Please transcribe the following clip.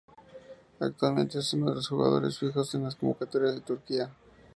Actualmente es uno de los jugadores fijos en las convocatorias con Turquía.